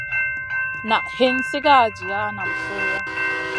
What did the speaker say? Na hin sigara jiya nam sohya.